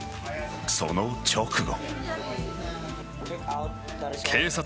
その直後。